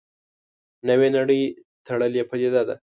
نوې نړۍ تړلې پدیده ده.